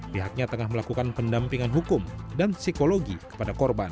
pihaknya tengah melakukan pendampingan hukum dan psikologi kepada korban